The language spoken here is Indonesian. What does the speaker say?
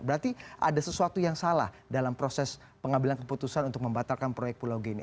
berarti ada sesuatu yang salah dalam proses pengambilan keputusan untuk membatalkan proyek pulau g ini